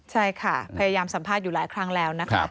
ใช่ค่ะพยายามสัมภาษณ์อยู่หลายครั้งแล้วนะคะ